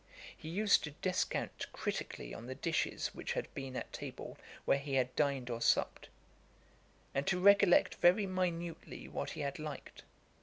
He used to descant critically on the dishes which had been at table where he had dined or supped, and to recollect very minutely what he had liked.